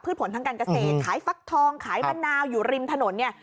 ผลทางการเกษตรขายฟักทองขายมะนาวอยู่ริมถนนเนี่ย